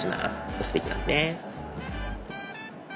押していきますね。